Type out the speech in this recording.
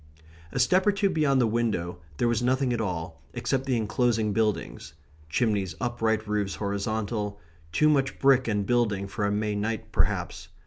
A step or two beyond the window there was nothing at all, except the enclosing buildings chimneys upright, roofs horizontal; too much brick and building for a May night, perhaps.